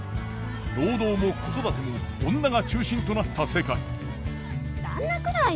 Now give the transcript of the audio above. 労働も子育ても女が中心となった世界旦那くらいよ。